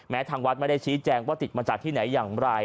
ทางวัดไม่ได้ชี้แจงว่าติดมาจากที่ไหนอย่างไร